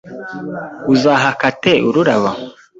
Uzaha Kate ururabo?